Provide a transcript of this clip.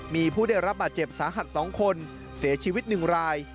มีผู้ได้รับบาดเจ็บสาหัส๒คนเสียชีวิต๑ราย